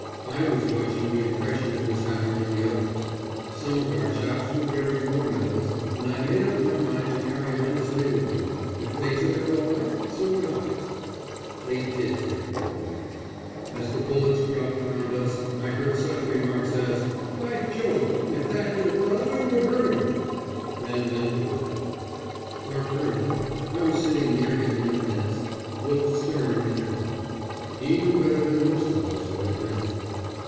I was watching the impression it was having on the others. Some of our chaps were wearing war medals, and I made up my mind to carry on as they were doing. If they took it all right, so would I. They did take it all right. As the bullets dropped round us I heard such remarks as, "By Jove! If that hit a fellow it would hurt him!" Then men would laugh. Our colonel I was sitting near him in the pinnace looked stern and calm. He knew better than most of us what it meant.